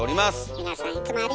皆さんいつもありがとう。